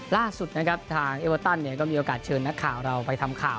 ล่าสุดนะครับทางเอเวอร์ตันก็มีโอกาสเชิญนักข่าวเราไปทำข่าว